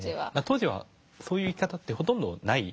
当時はそういう生き方ってほとんどない。